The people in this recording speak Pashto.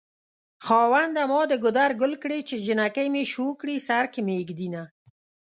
خاونده ما دګودر ګل کړی چې جنکي مې شوکوی سرکې مې ږد ينه